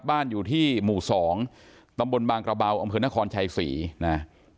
บ้านอยู่ที่หมู่สองตำบลบางกระเบาองค์เผือนนครชายศรีน่ะ